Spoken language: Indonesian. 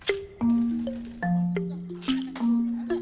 masyarakat teluk benoa